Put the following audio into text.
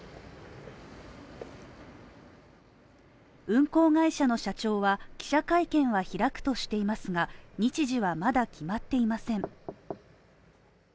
運航会社の社長は記者会見は開くとしていますが、日時はまだ決まっていません。